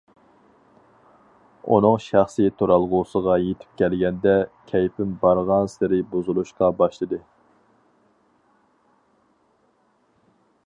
ئۇنىڭ شەخسىي تۇرالغۇسىغا يېتىپ كەلگەندە كەيپىم بارغانسېرى بۇزۇلۇشقا باشلىدى.